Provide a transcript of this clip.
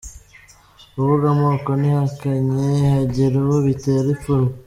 Kuvuga amoko ntihakajye hagira uwo bitera ipfunwe.